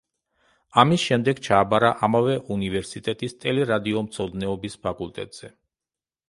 ამის შემდეგ ჩააბარა ამავე უნივერსიტეტის ტელერადიო მცოდნეობის ფაკულტეტზე.